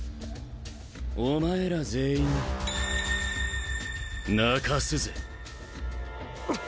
お前ら全員泣かすぜ。